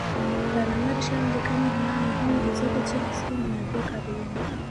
د علامه رشاد لیکنی هنر مهم دی ځکه چې اصلي منابع کاروي.